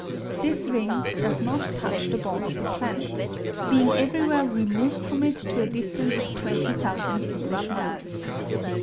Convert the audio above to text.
This ring does not touch the ball of the planet, being everywhere removed from it to a distance of twenty thousand (English) miles.